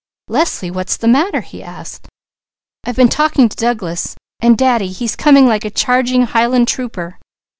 "Leslie, what's the matter?" he asked. "I've been talking to Douglas, and Daddy, he's coming like a charging Highland trooper.